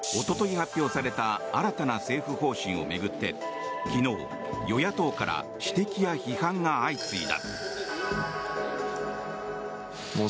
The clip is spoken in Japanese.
発表された新たな政府方針を巡って昨日、与野党から指摘や批判が相次いだ。